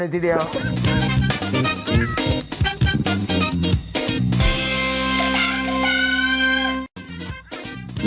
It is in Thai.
โอ้โห